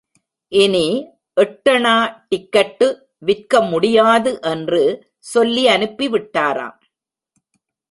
இனி எட்டணா டிக்கட்டு விற்க முடியாது! என்று சொல்லி அனுப்பிவிட்டாராம்.